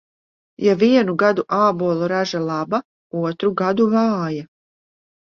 Ja vienu gadu ābolu raža laba, otru gadu vāja.